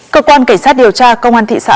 cơ quan cảnh sát điều tra công an thị xã hà nội